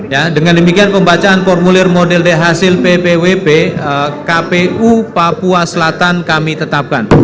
ya dengan demikian pembacaan formulir model d hasil ppwp kpu papua selatan kami tetapkan